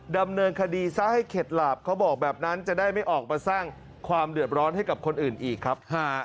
ดำเนินคดีซะให้เข็ดหลาบเขาบอกแบบนั้นจะได้ไม่ออกมาสร้างความเดือดร้อนให้กับคนอื่นอีกครับ